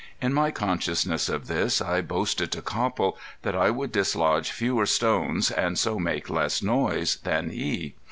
In my consciousness of this I boasted to Copple that I would dislodge fewer stones and so make less noise than he.